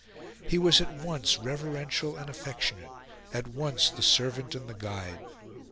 He was at once reverential and affectionate, at once the servant and the guide.